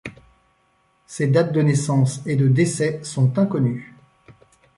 Ses dates de naissance et de décès sont inconnues.